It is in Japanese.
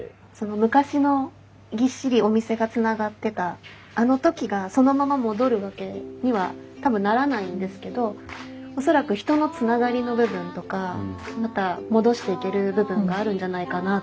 昔のぎっしりお店がつながってたあの時がそのまま戻るわけには多分ならないんですけど恐らく人のつながりの部分とかまた戻していける部分があるんじゃないかなと思っていて。